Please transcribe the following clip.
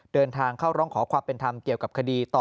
เดินทางเข้าร้องขอความเป็นธรรมเกี่ยวกับคดีต่อ